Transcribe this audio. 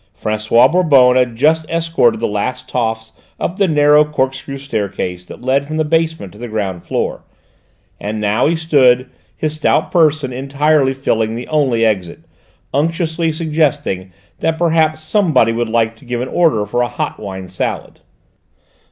François Bonbonne had just escorted the last toffs up the narrow corkscrew staircase that led from the basement to the ground floor, and now he stood, his stout person entirely filling the only exit, unctuously suggesting that perhaps somebody would like to give an order for a hot wine salad.